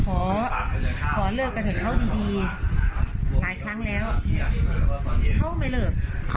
ขอขอเลิกกันเถอะเขาดีหลายครั้งแล้วเขาไม่เลิก